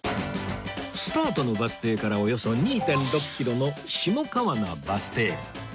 スタートのバス停からおよそ ２．６ キロの下川名バス停